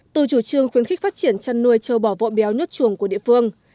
từ chủ trương khuyến khích phát triển chăn nuôi trâu bò vỗ béo nhốt chuồng